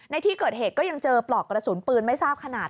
ในที่เกิดเหตุก็ยังเจอปลอกกระสุนปืนไม่ทราบขนาด